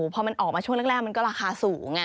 พอมันออกมาช่วงแรกมันก็ราคาสูง